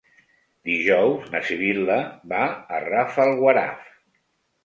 Dijous na Sibil·la va a Rafelguaraf.